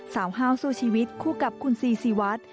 ห้าวสู้ชีวิตคู่กับคุณซีซีวัด